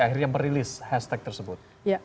akhirnya merilis hashtag tersebut